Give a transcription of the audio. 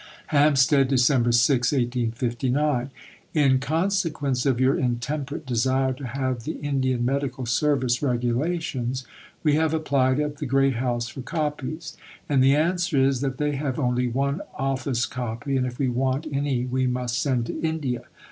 HAMPSTEAD, Dec. 6 . In consequence of your intemperate desire to have the Indian Medical Service Regulations, we have applied at the Great House for copies. And the answer is that they have only one Office copy, and if we want any we must send to India.